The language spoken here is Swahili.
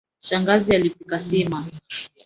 Shangazi alipika sima.